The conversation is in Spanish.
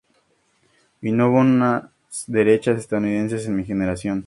Y no hubo unas derechas estadounidenses en mi generación.